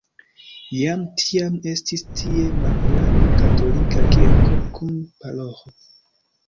Jam tiam estis tie malgranda katolika kirko kun paroĥo.